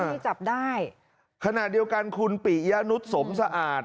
ที่จับได้ขณะเดียวกันคุณปิยะนุษย์สมสะอาด